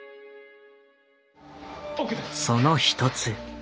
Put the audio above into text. その一つ。